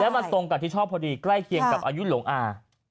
มันตรงกับที่ชอบพอดีใกล้เคียงกับอายุหลวงอา